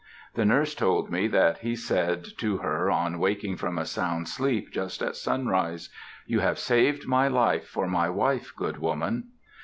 The nurse told me that he said to her on waking from a sound sleep, just at sunrise, "You have saved my life for my wife, good woman."